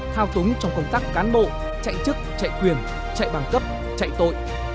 thao túng trong công tác cán bộ chạy chức chạy quyền chạy bằng cấp chạy tội